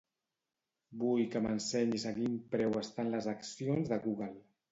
Vull que m'ensenyis a quin preu estan les accions de Google.